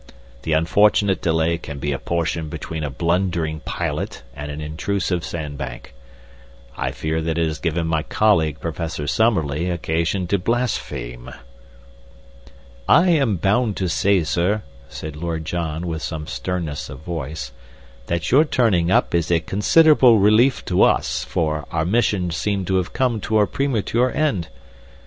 The unfortunate delay can be apportioned between a blundering pilot and an intrusive sandbank. I fear that it has given my colleague, Professor Summerlee, occasion to blaspheme." "I am bound to say, sir," said Lord John, with some sternness of voice, "that your turning up is a considerable relief to us, for our mission seemed to have come to a premature end.